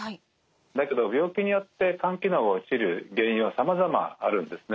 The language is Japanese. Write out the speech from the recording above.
だけど病気によって肝機能が落ちる原因はさまざまあるんですね。